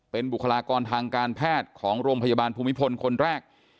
เป็นบุคลากรทางการแพทย์ของโรงพยาบาลภูมิพลคนแรก